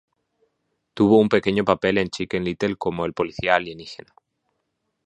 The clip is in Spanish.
Tuvo un pequeño papel en "Chicken Little" como el policía alienígena.